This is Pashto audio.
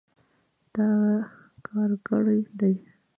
تا کار کړی دی